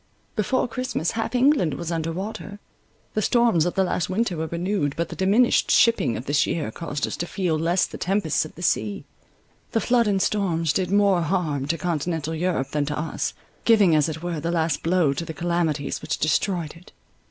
Before Christmas half England was under water. The storms of the last winter were renewed; but the diminished shipping of this year caused us to feel less the tempests of the sea. The flood and storms did more harm to continental Europe than to us—giving, as it were, the last blow to the calamities which destroyed it.